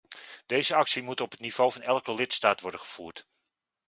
Deze actie moet op het niveau van elke lidstaat worden gevoerd.